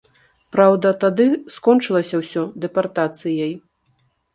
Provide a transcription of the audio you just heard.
Праўда, тады скончылася ўсё дэпартацыяй.